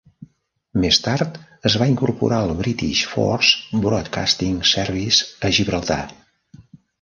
Més tard es va incorporar al British Forces Broadcasting Service a Gibraltar.